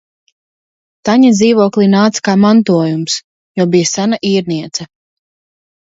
Taņa dzīvoklī nāca kā "mantojums", jo bija sena īrniece.